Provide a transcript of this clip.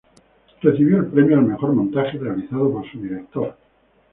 Recibió el premio al mejor montaje, realizado por su director.